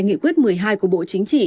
nghị quyết một mươi hai của bộ chính trị